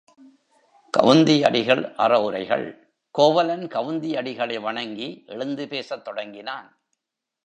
கவுந்தி அடிகள் அற உரைகள் கோவலன் கவுந்தியடிகளை வணங்கி எழுந்து பேசத் தொடங்கினான்.